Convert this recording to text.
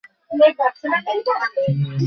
তিনি যেন ঘুমিয়ে ছিলেন।